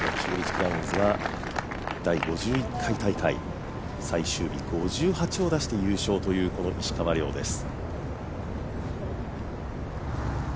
クラウンズは第５１回大会、最終日、５８を出して優勝というこの石川遼です。